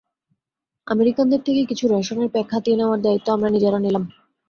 আমেরিকানদের থেকে কিছু রেশনের প্যাক হাতিয়ে নেওয়ার দায়িত্ব আমরা নিজেরা নিলাম।